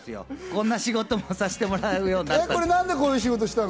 こんな仕事もさせてもらえるようになった？